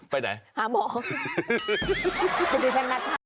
ไปไหน